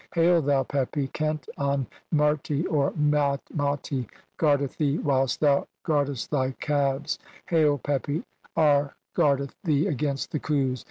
Hail, thou "Pepi, Khent an merti (or maati) guardeth thee whilst "thou guardest thy (45) calves ; hail, Pepi, Ar guard "eth thee against the Khus.